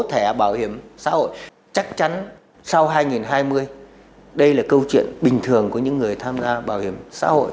thẻ bảo hiểm xã hội chắc chắn sau hai nghìn hai mươi đây là câu chuyện bình thường của những người tham gia bảo hiểm xã hội